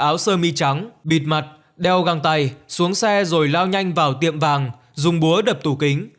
áo sơ mi trắng bịt mặt đeo găng tay xuống xe rồi lao nhanh vào tiệm vàng dùng búa đập tủ kính